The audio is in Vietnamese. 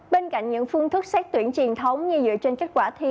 bên cạnh những phương thức xét tuyển truyền thống như dựa trên kết quả thi